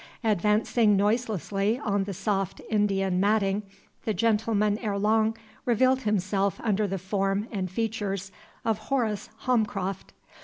Advancing noiselessly on the soft Indian matting, the gentleman ere long revealed himself under the form and features of Horace Holmcroft.